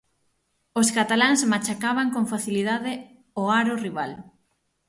Os cataláns machacaban con facilidade o aro rival.